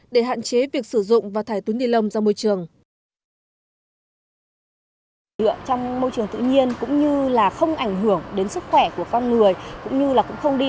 để hạn chế việc sử dụng và thải túi nilon